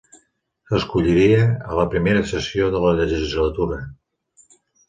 S'escolliria a la primera sessió de la legislatura.